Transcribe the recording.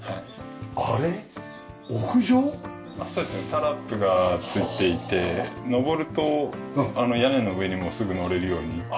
タラップが付いていて上ると屋根の上にもすぐ乗れるように。